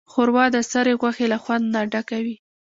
ښوروا د سرې غوښې له خوند نه ډکه وي.